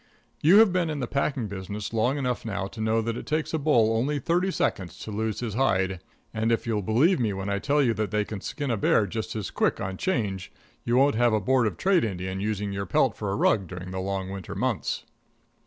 You have been in the packing business long enough now to know that it takes a bull only thirty seconds to lose his hide; and if you'll believe me when I tell you that they can skin a bear just as quick on 'Change, you won't have a Board of Trade Indian using your pelt for a rug during the long winter months.